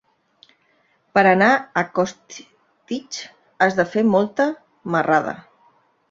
Per anar a Costitx has de fer molta marrada.